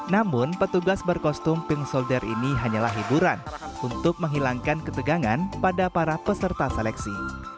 namun petugas berkostum pink solder ini hanyalah hiburan untuk menghilangkan ketegangan pada para peserta seleksi